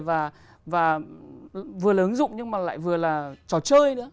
và vừa là ứng dụng nhưng mà lại vừa là trò chơi nữa